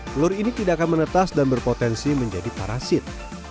telur ini tidak akan menetas dan berpotensi menjadi parasit